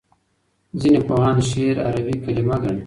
ځینې پوهان شعر عربي کلمه ګڼي.